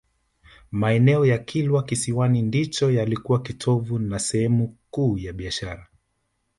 Maeneo ya Kilwa Kisiwani ndio yalikuwa kitovu na sehemu kuu ya biashara